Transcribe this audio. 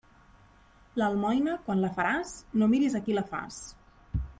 L'almoina, quan la faràs, no miris a qui la fas.